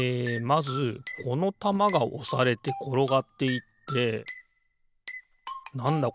まずこのたまがおされてころがっていってなんだ？